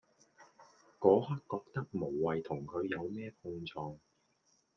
嗰刻覺得無謂同佢有咩碰撞